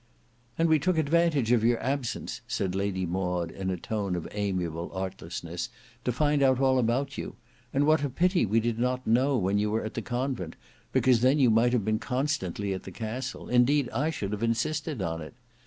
"And we took advantage of your absence," said Lady Maud in a tone of amiable artlessness, "to find out all about you. And what a pity we did not know you when you were at the convent, because then you might have been constantly at the castle; indeed I should have insisted on it.